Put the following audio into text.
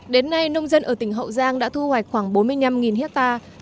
đến nay nông dân ở tỉnh hậu giang đã thu hoạch khoảng bốn mươi năm hectare